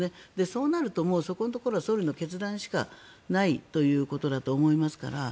そうなるとそこは総理の決断しかないということだと思いますから。